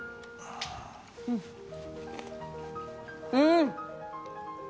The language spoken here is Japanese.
うん。